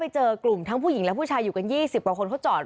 เจอกลุ่มทั้งผู้หญิงและผู้ชายอยู่กัน๒๐กว่าคนเขาจอด